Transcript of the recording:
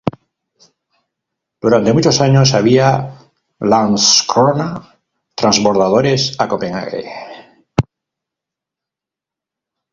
Durante muchos años había Landskrona transbordadores a Copenhague.